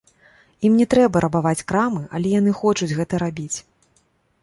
Ім не трэба рабаваць крамы, але яны хочуць гэта рабіць.